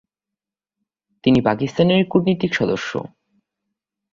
তিনি পাকিস্তানের কূটনীতিক সদস্য।